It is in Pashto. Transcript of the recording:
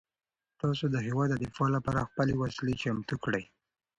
تاسو د هیواد د دفاع لپاره خپلې وسلې چمتو کړئ.